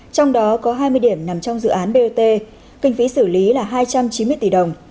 trong đó có hai mươi điểm nằm trong dự án bot kinh phí xử lý là hai trăm chín mươi tỷ đồng